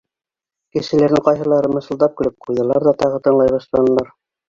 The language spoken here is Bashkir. — Кешеләрҙең ҡайһылары мышылдап көлөп ҡуйҙылар ҙа тағы тыңлай башланылар.